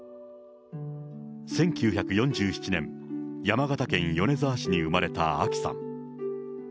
１９４７年、山形県米沢市に生まれたあきさん。